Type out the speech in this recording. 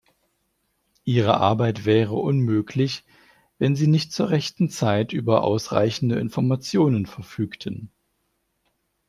Ihre Arbeit wäre unmöglich, wenn sie nicht zur rechten Zeit über ausreichende Informationen verfügten.